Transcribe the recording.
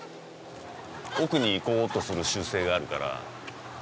奥に行こうとする習性があるから。